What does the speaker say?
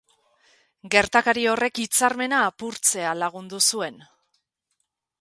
Gertakari horrek hitzarmena apurtzea lagundu zuen.